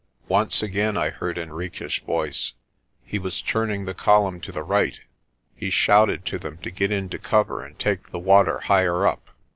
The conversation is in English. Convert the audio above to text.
Once again I heard Henriques' voice. He was turning the column to the right. He shouted to them to get into cover and take the water higher up.